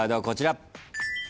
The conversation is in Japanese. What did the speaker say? こちら。